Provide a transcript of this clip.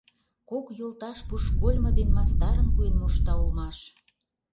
Кок йолташ пушкольмо дене мастарын куэн мошта улмаш.